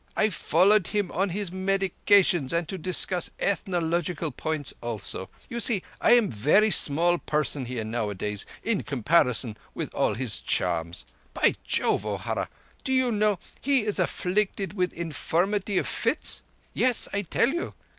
I followed him on his meditations, and to discuss ethnological points also. You see, I am verree small person here nowadays, in comparison with all his charms. By Jove, O'Hara, do you know, he is afflicted with infirmity of fits. Yess, I tell you.